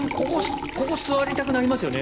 ここ座りたくなりますよね